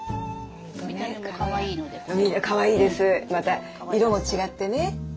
また色も違ってね。